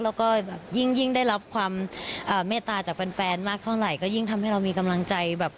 แล้วก็แบบยิ่งได้รับความเมตตาจากแฟนมากเท่าไหร่ก็ยิ่งทำให้เรามีกำลังใจแบบ